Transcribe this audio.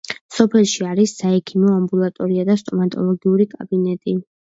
სოფელში არის საექიმო ამბულატორია და სტომატოლოგიური კაბინეტი.